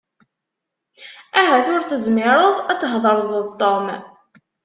Ahat ur tezmireḍ ad thedreḍ d Tom.